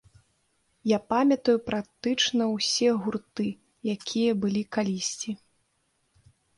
Я памятаю практычна ўсе гурты, якія былі калісьці.